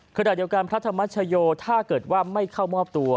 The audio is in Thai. ขณะเดี๋ยวกันพระธรรมชโยชน์ถ้าไม่เข้ามอบตัว